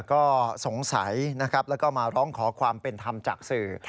ก็สงสัยนะครับแล้วก็มาร้องขอความเป็นธรรมจากสื่อ